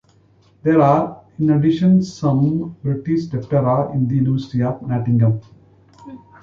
There are, in addition some British Diptera in the University of Nottingham.